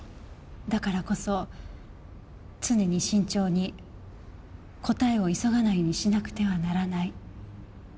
だからこそ常に慎重に答えを急がないようにしなくてはならない。